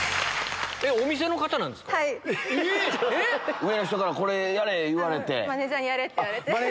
上の人から「これやれ！」言われて？